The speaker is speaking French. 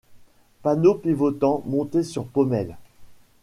Panneau pivotant montée sur paumelle.